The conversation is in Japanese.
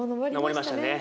昇りましたね。